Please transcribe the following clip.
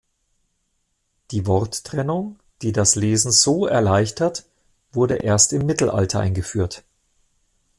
Die Worttrennung, die das Lesen so erleichtert, wurde erst im Mittelalter eingeführt.